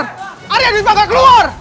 aduh keluar arya di bangka keluar